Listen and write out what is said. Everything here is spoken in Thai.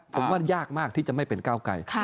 ผมว่ายากมากที่จะไม่เป็นก้าวไกร